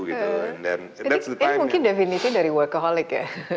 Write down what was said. itu mungkin definisi dari workaholic ya